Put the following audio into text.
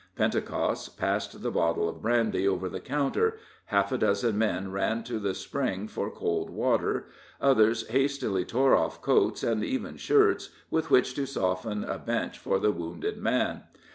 Pentecost passed the bottle of brandy over the counter; half a dozen men ran to the spring for cold water; others hastily tore off coats, and even shirts, with which to soften a bench for the wounded man.